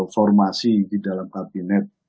formasi di dalam kabinet